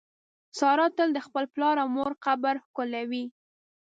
ساره تل د خپل پلار او مور قبر ښکلوي.